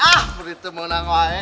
ah berhitung mengenang wae